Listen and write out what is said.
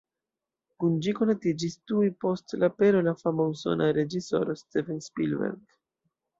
Kun ĝi konatiĝis tuj post la apero la fama usona reĝisoro Steven Spielberg.